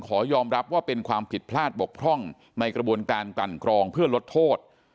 ขอยอมรับว่าเป็นความผิดพลาดบกพร่องในกระบวนการกลั่นกรองเพื่อลดโทษ